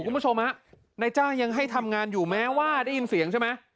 คุณผู้ชมฮะนายจ้างยังให้ทำงานอยู่แม้ว่าได้ยินเสียงใช่ไหม